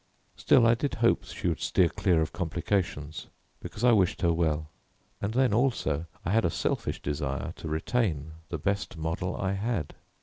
Still I did hope she would steer clear of complications, because I wished her well, and then also I had a selfish desire to retain the best model I had.